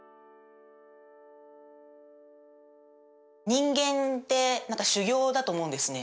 人間って何か修行だと思うんですね。